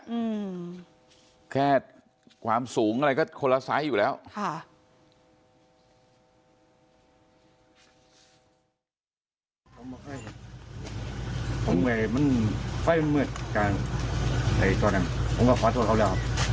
อืมแค่ความสูงอะไรก็คนละไซส์อยู่แล้วค่ะ